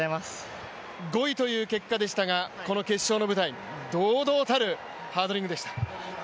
５位という結果でしたが、この決勝の舞台堂々たるハードリングでした。